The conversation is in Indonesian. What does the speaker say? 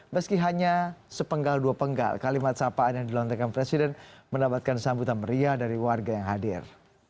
meski hanya sepenggal dua penggal kalimat sapaan yang dilontarkan presiden mendapatkan sambutan meriah dari warga yang hadir